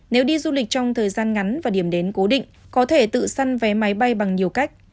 nếu đi du lịch trong thời gian ngắn và điểm đến cố định có thể tự săn vé máy bay bằng nhiều cách